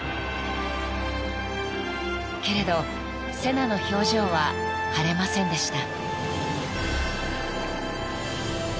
［けれどセナの表情は晴れませんでした］